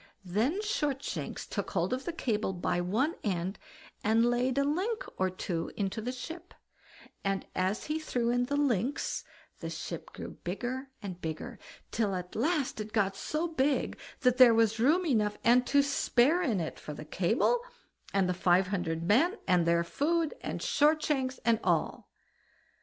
Then Shortshanks took hold of the cable by one end, and laid a link or two into the ship; and as he threw in the links, the ship grew bigger and bigger, till at last it got so big, that there was room enough and to spare in it for the cable, and the five hundred men, and their food, and Shortshanks, and all.